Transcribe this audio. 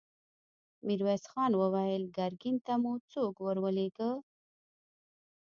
ميرويس خان وويل: ګرګين ته مو څوک ور ولېږه؟